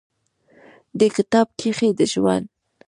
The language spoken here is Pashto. دې کتاب کښې د ژوند